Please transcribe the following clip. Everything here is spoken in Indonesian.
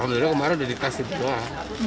karena itu udah dikasih di rumah